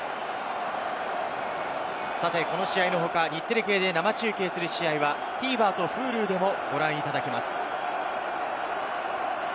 この試合の他、日テレ系で生中継する試合はＴＶｅｒとＨｕｌｕでもご覧いただけます。